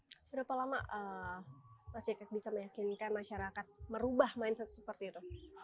berapa lama mas jacket bisa meyakinkan masyarakat merubah mindset seperti itu